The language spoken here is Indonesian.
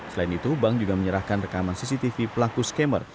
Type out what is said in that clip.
selain itu bank juga menyerahkan rekaman cctv pelaku scammer